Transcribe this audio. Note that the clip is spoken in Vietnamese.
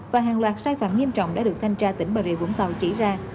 và hàng loạt sai phạm nghiêm trọng đã được thanh tra tỉnh bà rịa vũng tàu chỉ ra